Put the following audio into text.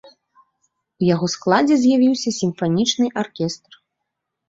У яго складзе з'явіўся сімфанічны аркестр.